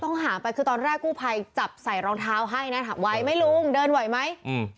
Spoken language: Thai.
หาไปคือตอนแรกกู้ภัยจับใส่รองเท้าให้นะถามไว้ไหมลุงเดินไหวไหมอืม